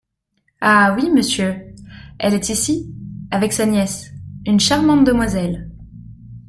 Ah ! oui, monsieur… elle est ici… avec sa nièce… une charmante demoiselle.